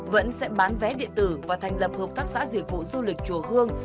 vẫn sẽ bán vé điện tử và thành lập hợp tác xã diệt vụ du lịch chùa hương